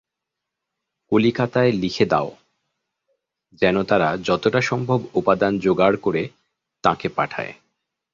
কলিকাতায় লিখে দাও, যেন তারা যতটা সম্ভব উপাদান যোগাড় করে তাঁকে পাঠায়।